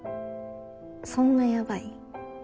そんなヤバイ？